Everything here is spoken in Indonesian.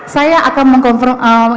saya akan mengkonfirmasi